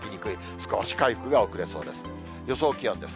少し回復が遅れそうです。